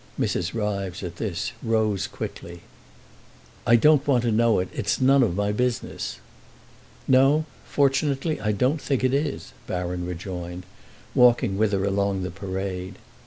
Mrs. Ryves, at this, rose quickly. "I don't want to know it; it's none of my business." "No, fortunately, I don't think it is," Baron rejoined, walking with her along the Parade.